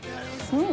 うん！